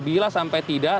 bila sampai tidak